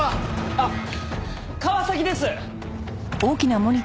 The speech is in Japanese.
あっ川崎です！